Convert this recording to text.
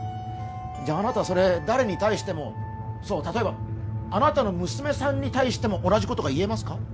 じゃああなたそれ誰に対してもそう例えばあなたの娘さんに対しても同じことが言えますか？